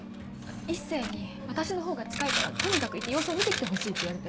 一星に私のほうが近いからとにかく行って様子を見て来てほしいって言われて。